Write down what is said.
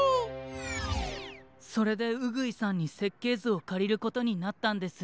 それでうぐいさんにせっけいずをかりることになったんです。